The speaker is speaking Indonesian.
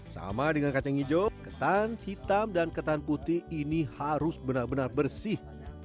sama dengan kacang hijau ketan hitam dan ketan putih ini harus benar benar bersih